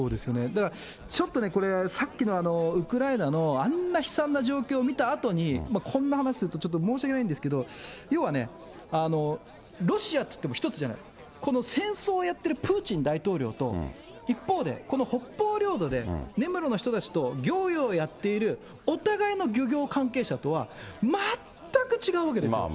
だからちょっとね、これは、さっきのウクライナのあんな悲惨な状況を見たあとに、こんな話をすると申し訳ないんですけど、要はね、ロシアっていっても一つじゃない、この戦争をやってるプーチン大統領と一方で、この北方領土で、根室の人たちと漁業をやっているお互いの漁業関係者とは、全く違うわけですよ。